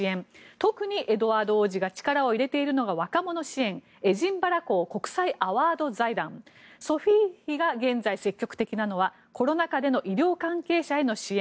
特にエドワード王子が力を入れているのが若者支援でエディンバラ公国際アワード財団ソフィー妃が現在、積極的なのはコロナ禍での医療関係者への支援。